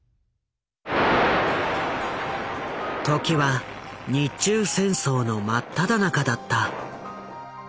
時は日中戦争の真っただ中だった。